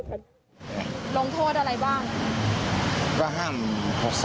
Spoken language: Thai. มีลดเงินเงินมีอะไรอย่างไรอย่างอื่นไหม